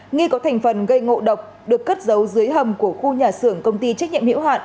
nghi có thành phần gây ngộ độc được cất giấu dưới hầm của khu nhà xưởng công ty trách nhiệm hiệu hạn